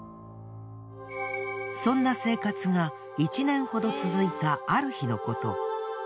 そんな生活が１年ほど続いたある日のこと。